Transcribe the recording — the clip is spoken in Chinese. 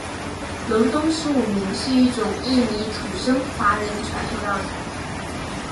隆东十五暝是一种印尼土生华人传统料理。